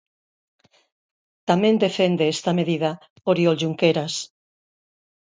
Tamén defende esta medida Oriol Junqueras.